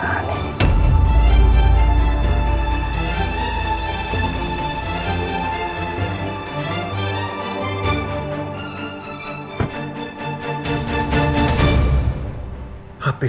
ini ada yang aneh